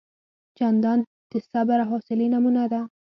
جانداد د صبر او حوصلې نمونه ده.